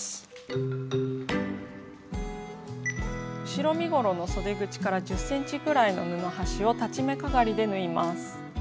後ろ身ごろのそで口から１０ｃｍぐらいの布端を裁ち目かがりで縫います。